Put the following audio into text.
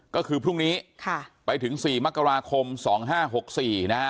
ก็คือพรุ่งนี้ค่ะไปถึงสี่มกราคมสองห้าหกสี่นะฮะ